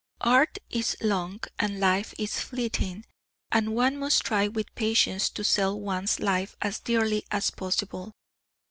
Art is long and life is fleeting, and one must try with patience to sell one's life as dearly as possible.